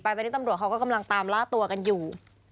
ตอนนี้ตำรวจเขาก็กำลังตามล่าตัวกันอยู่